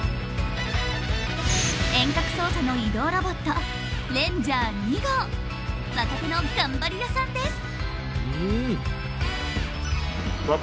遠隔操作の移動ロボット若手の頑張り屋さんです。